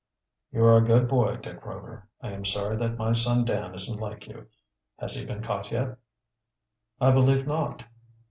"You are a good boy, Dick Rover. I am sorry that my son Dan isn't like you. Has he been caught yet?" "I believe not."